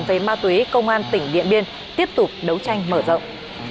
về ma túy công an tỉnh điện biên tiếp tục đấu tranh mở rộng